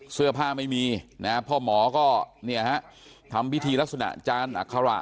เสื้อผ้าไม่มีพ่อหมอก็ทำพิธีลักษณะจานอคาระ